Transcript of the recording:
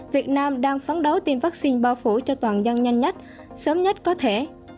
việt nam đang phấn đấu tiêm vaccine bao phủ cho toàn dân nhanh nhất sớm nhất có thể